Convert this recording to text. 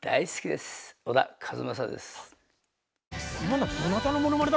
小田和正です。